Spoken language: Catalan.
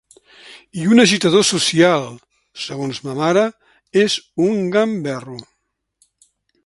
I un agitador social, segons ma mare, és un gamberro.